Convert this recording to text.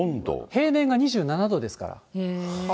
平年が２７度ですから。